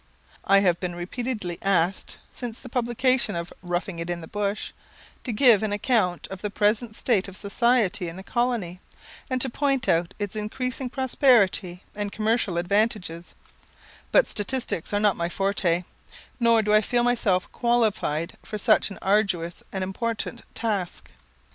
I have been repeatedly asked, since the publication of "Roughing it in the Bush," to give an account of the present state of society in the colony, and to point out its increasing prosperity and commercial advantages; but statistics are not my forte, nor do I feel myself qualified for such an arduous and important task.